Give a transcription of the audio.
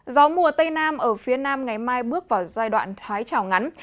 gió mùa tây nam ở phía nam ngày mai bước vào giai đoạn thái trào ngắn